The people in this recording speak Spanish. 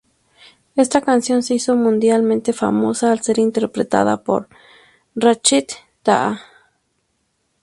Esta canción se hizo mundialmente famosa al ser interpretada por Rachid Taha.